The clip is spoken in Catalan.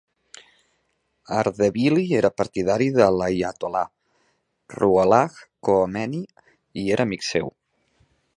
Ardebili era partidari de l'aiatol·là Ruhollah Khomeini i era amic seu.